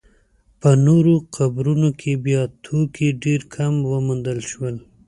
په نورو قبرونو کې بیا توکي ډېر کم وموندل شول.